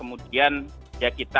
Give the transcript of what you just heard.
kemudian bisa keluar